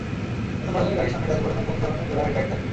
নতুন মডেলের গাড়ির সামনের ড্যাশ বোর্ডে নতুন ধরনের জোড়া হেডলাইট থাকবে।